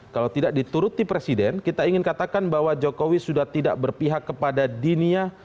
kalau tidak dituruti presiden kita ingin katakan bahwa jokowi sudah tidak berpihak kepada dinia